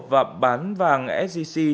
và bán vàng sgc